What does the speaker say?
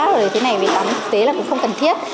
rồi thế này vì tắm thực tế là cũng không cần thiết